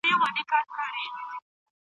د ډبرو سکاره څنګه کارول کېږي؟